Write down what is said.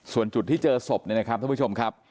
ส่วนจุดที่เจอศพเนี่ยนะครับท่านผู้ชมครับ